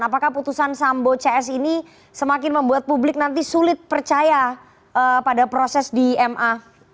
apakah putusan sambo cs ini semakin membuat publik nanti sulit percaya pada proses di ma